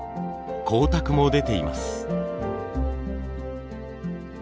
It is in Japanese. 光沢も出ています。